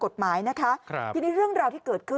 อ้อฟ้าอ้อฟ้าอ้อฟ้า